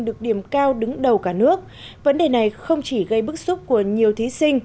được điểm cao đứng đầu cả nước vấn đề này không chỉ gây bức xúc của nhiều thí sinh